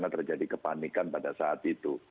terjadi kepanikan pada saat itu